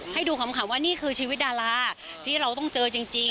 ให้ดูขำว่านี่คือชีวิตดาราที่เราต้องเจอจริง